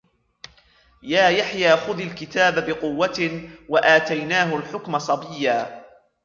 يَا يَحْيَى خُذِ الْكِتَابَ بِقُوَّةٍ وَآتَيْنَاهُ الْحُكْمَ صَبِيًّا